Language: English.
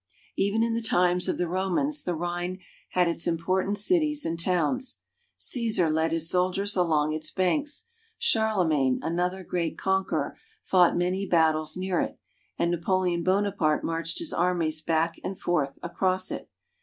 Even in the times of the Romans the Rhine had its important cities and towns. Caesar led his soldiers along its banks ; Charlemagne, another great conqueror, fought many battles near it; and Napoleon Bonaparte marched his armies back and forth across it.